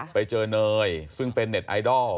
ไปเจอเนยซึ่งเป็นเน็ตไอดอล